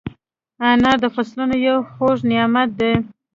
انار د فصلونو یو خوږ نعمت دی.